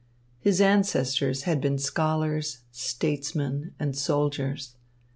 His ancestors had been scholars, statesmen, and soldiers.